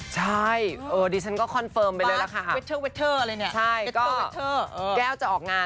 ใช่ดิฉันก็คอนเฟิร์มไปเลยแล้วค่ะ